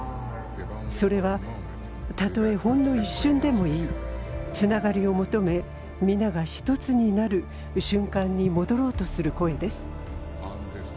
それはたとえ、ほんの一瞬でもいいつながりを求め皆が１つになる瞬間に戻ろうとする声です。